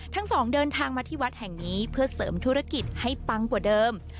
ทั้งสองเดินทางมาที่วัดแห่งนี้เพื่อเสริมธุรกิจให้ปังกว่าเดิม